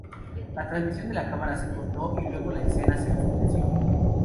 La transmisión de la cámara se cortó, y luego la escena se oscureció.